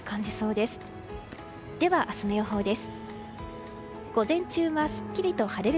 では、明日の予報です。